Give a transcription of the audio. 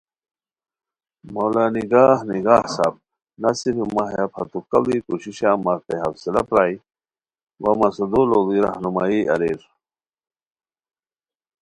مولانگاہ نگاہؔ صاحب نہ صرف مہ ہیہ پھتوکاڑی کوششہ متے حوصلہ پرائے وا مسودو لوڑی راہ نمائی اریر